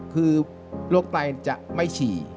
คือโรคไตจะไม่ฉี่